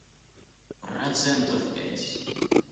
Процентов пять.